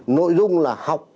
nội dung là học